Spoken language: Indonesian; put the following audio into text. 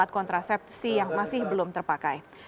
empat kontrasepsi yang masih belum terpakai